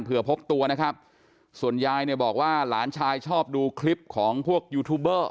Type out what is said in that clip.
เพื่อพบตัวนะครับส่วนยายเนี่ยบอกว่าหลานชายชอบดูคลิปของพวกยูทูบเบอร์